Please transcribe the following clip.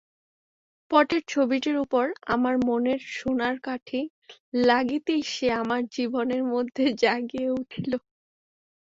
পটের ছবিটির উপর আমার মনের সোনার কাঠি লাগিতেই সে আমার জীবনের মধ্যে জাগিয়া উঠিল।